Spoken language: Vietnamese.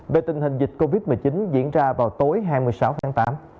về tình hình dịch covid một mươi chín diễn ra vào tối hai mươi sáu tháng tám